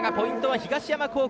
東山高校。